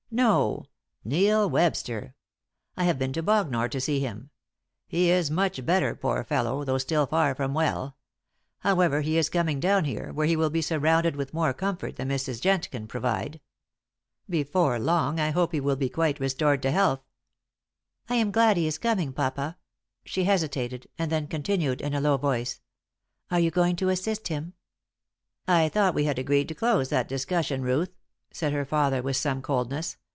"No; Neil Webster. I have been to Bognor to see him. He is much better, poor fellow, though still far from well. However, he is coming down here, where he will be surrounded with more comfort than Mrs. Jent can provide. Before long I hope he will be quite restored to health." "I am glad he is coming, papa." She hesitated, and then continued in a low voice: "Are you going to assist him?" "I thought we had agreed to close that discussion, Ruth?" said her father with some coldness.